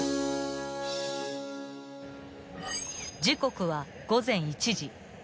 ［時刻は午前１時］